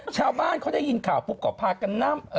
ชาวบ้านเขาได้ยินข่าวปุ๊บก็พากันนำ